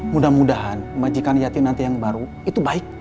mudah mudahan majikan yati nanti yang baru itu baik